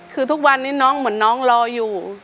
คือทุกวันนี้น้องเหมือนน้องรออยู่